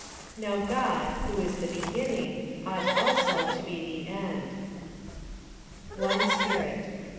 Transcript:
Now God, who is the beginning, ought also to be the end. One Spirit.